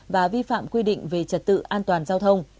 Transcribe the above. và vi phạm quy định về trật tự an toàn giao thông